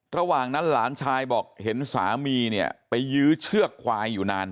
ระหว่างนั้นหลานชายบอกเห็นสามีเนี่ยไปยื้อเชือกควายอยู่นาน